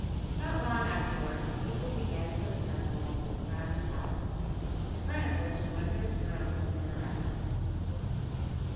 Not long afterwards the people began to assemble round the palace, in front of which a wondrous throne had been erected.